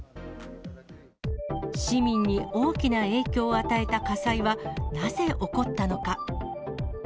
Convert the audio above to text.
市民に大きな影響を与えた火災は、なぜ起こったのか。